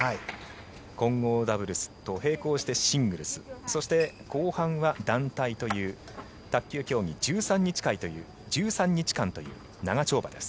混合ダブルスと並行してシングルスそして、後半は団体という卓球競技１３日間という長丁場です。